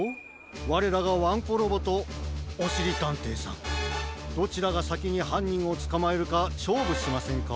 われらがワンコロボとおしりたんていさんどちらがさきにはんにんをつかまえるかしょうぶしませんか？